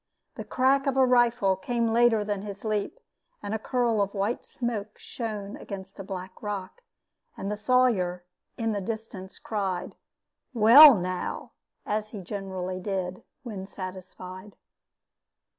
The crack of a rifle came later than his leap, and a curl of white smoke shone against a black rock, and the Sawyer, in the distance, cried, "Well, now!" as he generally did when satisfied.